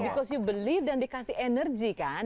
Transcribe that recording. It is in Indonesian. because you believe dan dikasih energi kan